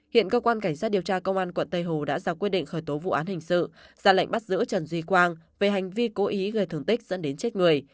hiện cơ quan cảnh sát điều tra công an quận tây hồ đã ra quyết định khởi tố vụ án hình sự ra lệnh bắt giữ trần duy quang về hành vi cố ý gây thương tích dẫn đến chết người